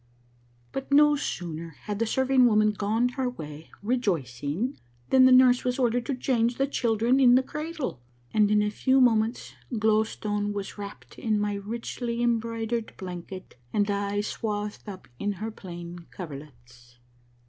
But no sooner had the serv ing woman gone her way rejoicing than the nurse was ordered to change the children in the cradle, and in a few moments Glow Stone was wrapt in my richly embroidered blanket and I swathed up in her plain coverlets.